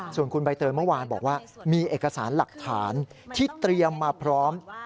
ส่วนคุณใบเตยเมื่อวานบอกว่ามีเอกสารหลักฐานที่เตรียมมาพร้อม